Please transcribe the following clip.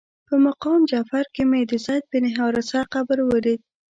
په مقام جعفر کې مې د زید بن حارثه قبر ولید.